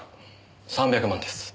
３００万です。